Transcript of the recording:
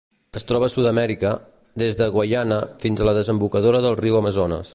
Es troba a Sud-amèrica: des de Guaiana fins a la desembocadura del riu Amazones.